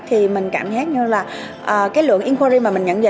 thì mình cảm nhận như là cái lượng inquiry mà mình nhận về